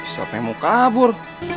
siapa yang mau kabur